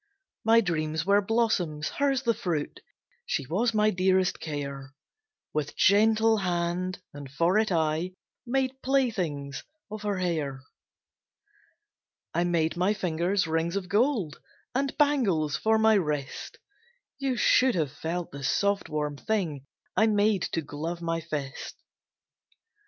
My dreams were blossoms, hers the fruit, She was my dearest care; With gentle hand, and for it, I Made playthings of her hair. I made my fingers rings of gold, And bangles for my wrist; You should have felt the soft, warm thing I made to glove my fist.